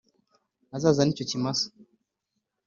Azazane icyo kimasa